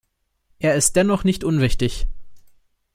Er ist dennoch nicht unwichtig.